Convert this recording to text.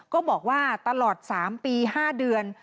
ก็บอกว่าตลอด๓ปี๕เดือน